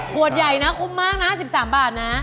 ขวดใหญ่นะคุ้มมากนะ๑๓บาทนะ